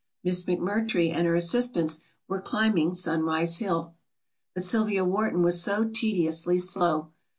Miss McMurtry and her assistants were climbing Sunrise Hill. But Sylvia Wharton was so tediously slow.